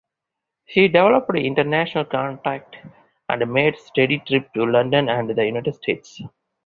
She developed international contacts and made study trips to London and the United States.